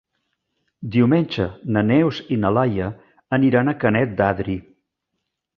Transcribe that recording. Diumenge na Neus i na Laia aniran a Canet d'Adri.